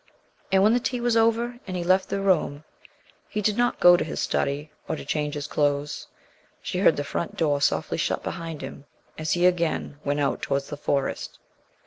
And when the tea was over and he left the room, he did not go to his study, or to change his clothes. She heard the front door softly shut behind him as he again went out towards the Forest.